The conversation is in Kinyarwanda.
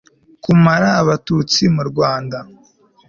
kumara abatutsi mu rwanda